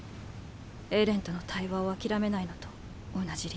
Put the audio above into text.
エレンとの対話を諦めないのと同じ理由。